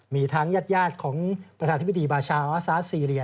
มีทั้งญาติของประธานธิบดีบาชาอาซาสซีเรีย